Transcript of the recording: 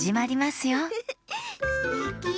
すてき！